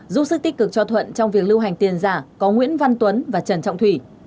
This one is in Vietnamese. giúp sức tích cực cho thuận trong việc lưu hành tiền giả có nguyễn văn tuấn và trần trọng thủy